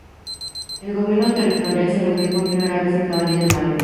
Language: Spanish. El gobierno territorial se reunió por primera vez en cabañas de madera.